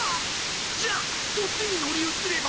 じゃあそっちに乗り移れば。